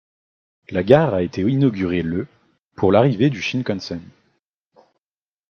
La gare a été inaugurée le pour l’arrivée du Shinkansen.